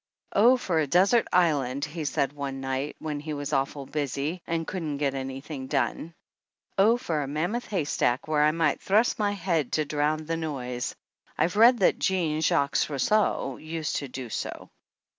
"Oh, for a desert island!" he said one night when he was awful busy and couldn't get any thing done. "Oh, for a mammoth haystack where I might thrust my head to drown the noise I've read that Jean Jacques Rousseau used to do so